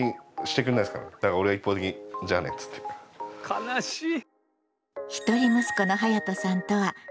悲しい！